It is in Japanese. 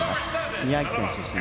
宮城県出身。